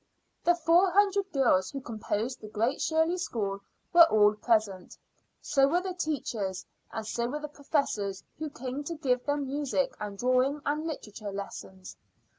The four hundred girls who composed the Great Shirley School were all present; so were the teachers, and so were the professors who came to give them music and drawing and literature lessons.